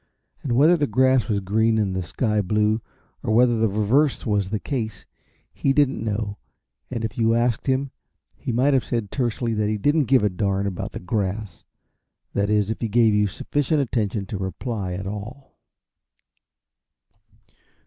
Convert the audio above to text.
And whether the grass was green and the sky blue, or whether the reverse was the case, he didn't know; and if you had asked him, he might have said tersely that he didn't care a darn about the grass that is, if he gave you sufficient attention to reply at all.